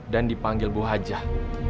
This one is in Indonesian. dan dipanggil bu hajah